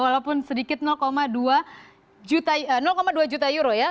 walaupun sedikit dua juta euro ya